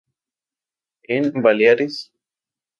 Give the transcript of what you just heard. En Baleares.